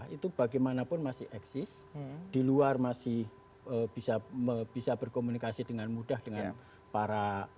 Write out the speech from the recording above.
itu bagaimanapun masih eksis di luar masih bisa berkomunikasi dengan mudah dengan para